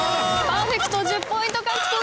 パーフェクト１０ポイント獲得。